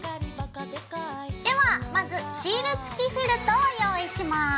ではまずシール付きフェルトを用意します。